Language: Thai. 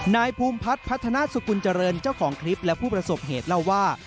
นายภูมิพัฒน์พัฒนาสุกุลเจริญเจ้าของคลิปและผู้ประสบเหตุเล่าว่า